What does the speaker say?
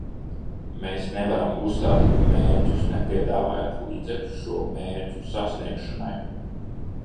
Mēs nevaram uzstādīt mērķus, nepiedāvājot līdzekļus šo mērķu sasniegšanai.